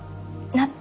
納豆？